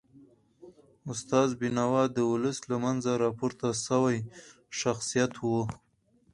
استاد بینوا د ولس له منځه راپورته سوی شخصیت و.